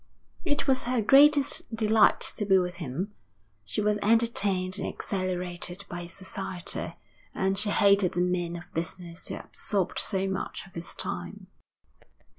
It was her greatest delight to be with him. She was entertained and exhilarated by his society, and she hated the men of business who absorbed so much of his time.